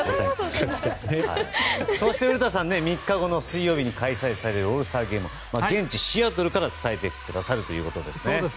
そして古田さん、３日後の水曜日に開催されるオールスターゲームを現地シアトルから伝えてくださるということですね。